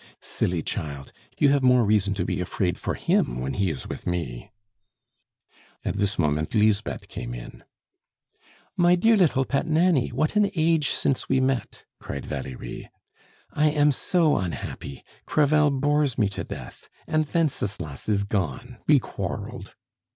"Silly child! you have more reason to be afraid for him when he is with me." At this moment Lisbeth came in. "My dear little pet Nanny, what an age since we met!" cried Valerie. "I am so unhappy! Crevel bores me to death; and Wenceslas is gone we quarreled."